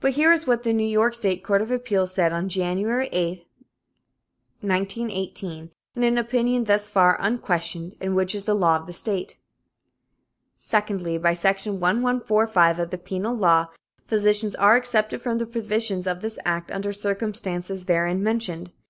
But here is what the New York State Court of Appeals said on January 8, 1918, in an opinion thus far unquestioned and which is the law of the state: "Secondly, by section 1145 of the Penal Law, physicians are excepted from the provisions of this act under circumstances therein mentioned.